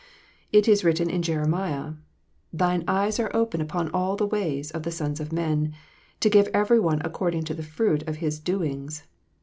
It is written in Jeremiah, " Thine eyes are open upon all the ways of the sons of men : to give every one according to the fruit of his doings.